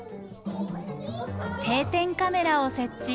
定点カメラを設置。